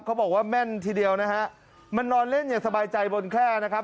เขาบอกว่าแม่นทีเดียวนะฮะมานอนเล่นอย่างสบายใจบนแค่นะครับ